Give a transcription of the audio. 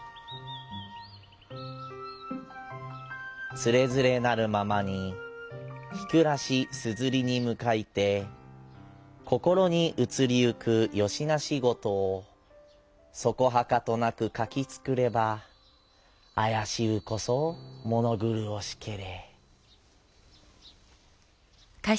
「つれづれなるままに日くらし硯にむかひて心にうつりゆくよしなし事をそこはかとなく書きつくればあやしうこそものぐるほしけれ」。